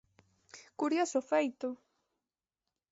Curioso feito!